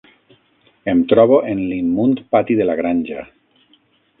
Em trobo en l'immund pati de la granja